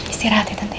istirahat ya tante ya